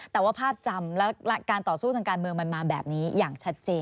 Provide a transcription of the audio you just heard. แต่ว่าภาพจำและการต่อสู้ทางการเมืองมันมาแบบนี้อย่างชัดเจน